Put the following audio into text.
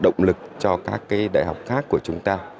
động lực cho các cái đại học khác của chúng ta